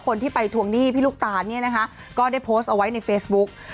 คนที่ไปทวงหนี้พี่ลูกตานเนี่ยนะคะก็ได้โพสต์เอาไว้ในเฟซบุ๊ก